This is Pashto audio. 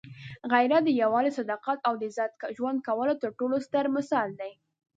غیرت د یووالي، صداقت او د عزت ژوند کولو تر ټولو ستر مثال دی.